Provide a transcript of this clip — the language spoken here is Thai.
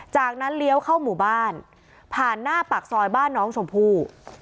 จากนั้นเลี้ยวเข้าหมู่บ้านผ่านหน้าปากซอยบ้านน้องชมพู่